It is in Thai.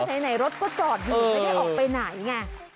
ก็ในไหนรถก็จอดถือไม่ได้ออกไปไหนไงเออ